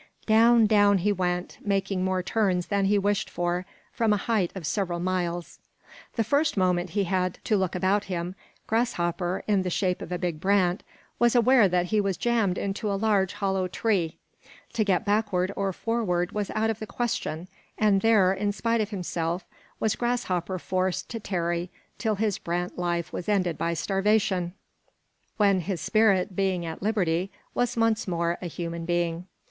Down, down he went, making more turns than he wished for, from a height of several miles. The first moment he had to look about him, Grasshopper, in the shape of a big brant, was aware that he was jammed into a large hollow tree. To get backward or forward was out of the question, and there, in spite of himself, was Grasshopper forced to tarry till his brant life was ended by starvation, when, his spirit being at liberty, he was once more a human being.